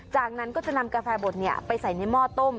จากนั้นก็จะนำกาแฟบดไปใส่ในหม้อต้ม